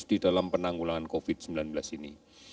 di dalam penanggulangan covid sembilan belas ini